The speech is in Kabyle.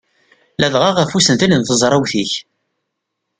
Ladɣa ɣef usentel n tezrawt-ik.